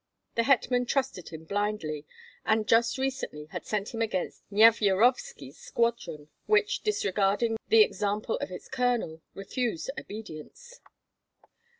The hetman trusted him blindly, and just recently had sent him against Nyevyarovski's squadron, which, disregarding the example of its colonel, refused obedience.